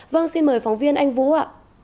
vâng xin mời phóng viên anh vũ ạ